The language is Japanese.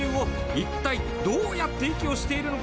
一体どうやって息をしているのか。